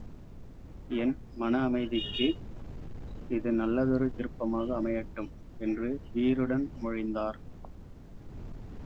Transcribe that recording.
என் மன அமைதிக்கும் இது நல்லதொரு திருப்பமாக அமையட்டும்! என்று வீறுடன் மொழிந்தார்.